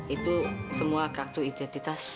itu semua kartu identitas